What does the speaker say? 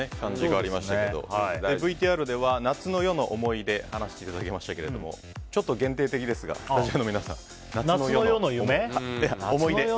ＶＴＲでは夏の夜の思い出を話していただきましたがちょっと限定的ですがスタジオの皆さん、思い出は。